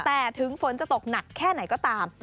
แต่ถึงฝนจะตกหนักแค่ไหนก็ตาม